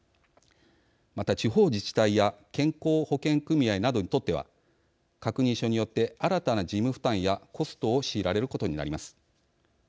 また、地方自治体や健康保険組合などにとっては確認書によって新たな事務負担やコストを強いられることになります。